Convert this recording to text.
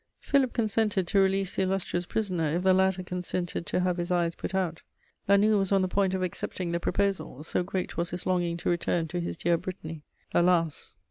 Philip consented to release the illustrious prisoner if the latter consented to have his eyes put out; La Noue was on the point of accepting the proposal, so great was his longing to return to his dear Brittany. Alas!